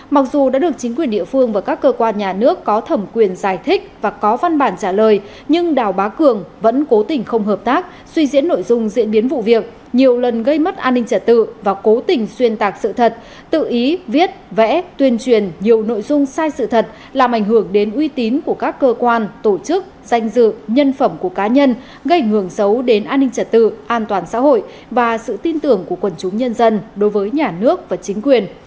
mặc dù đã được chính quyền địa phương và các cơ quan nhà nước có thẩm quyền giải thích và có văn bản trả lời nhưng đào bá cường vẫn cố tình không hợp tác suy diễn nội dung diễn biến vụ việc nhiều lần gây mất an ninh trả tự và cố tình xuyên tạc sự thật tự ý viết vẽ tuyên truyền nhiều nội dung sai sự thật làm ảnh hưởng đến uy tín của các cơ quan tổ chức danh dự nhân phẩm của cá nhân gây hưởng xấu đến an ninh trả tự an toàn xã hội và sự tin tưởng của quần chúng nhân dân đối với nhà nước và chính quyền